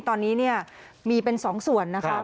ตอนนี้เนี่ยมีเป็น๒ส่วนนะครับ